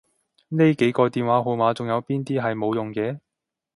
呢幾個電話號碼仲有邊啲係冇用嘅？